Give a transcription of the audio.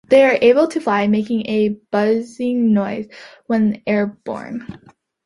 They are able to fly, making a buzzing noise when airborne.